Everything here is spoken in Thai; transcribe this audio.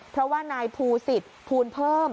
เพราะว่านายภูศิษฐ์ภูลเพิ่ม